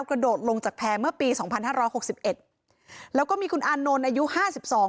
กระโดดลงจากแพร่เมื่อปีสองพันห้าร้อยหกสิบเอ็ดแล้วก็มีคุณอานนท์อายุห้าสิบสอง